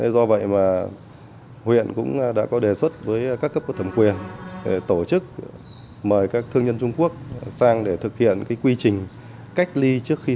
do vậy mà huyện cũng đã có đề xuất với các cấp cơ thẩm quyền để tổ chức mời các thương nhân trung quốc sang để thực hiện quy trình cách ly